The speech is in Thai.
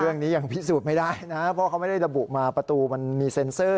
ยังพิสูจน์ไม่ได้นะเพราะเขาไม่ได้ระบุมาประตูมันมีเซ็นเซอร์